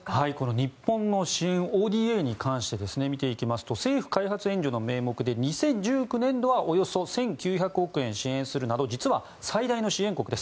日本の支援ＯＤＡに関して見ていきますと政府開発援助の名目で２０１９年度はおよそ１９００億円支援するなど実は最大の支援国です。